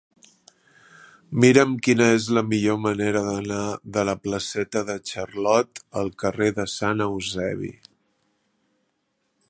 Mira'm quina és la millor manera d'anar de la placeta de Charlot al carrer de Sant Eusebi.